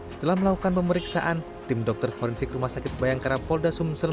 setelah melakukan pemeriksaan tim dokter forensik rumah sakit bayangkara pol desmonda selatan